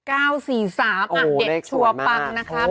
๙๔๓อะเด็ดชัวร์ปังนะครับ